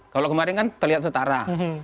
kalau kemarin kan terlihat setara